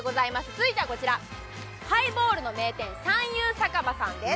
続いてはこちら、ハイボールの名店、三祐酒場さんです。